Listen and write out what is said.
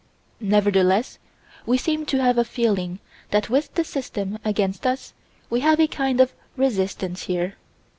Nevertheless we seem to have a feeling that with the System against us we have a kind of resistance here.